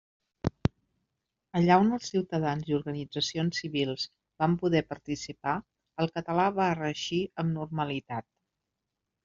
Allà on els ciutadans i organitzacions civils vam poder participar, el català va reeixir amb normalitat.